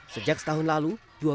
sejak setahun lalu